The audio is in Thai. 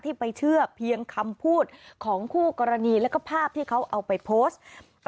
ไปเชื่อเพียงคำพูดของคู่กรณีแล้วก็ภาพที่เขาเอาไปโพสต์